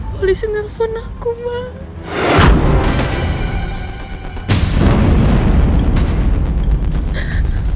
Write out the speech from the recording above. polisi nelfon aku mbak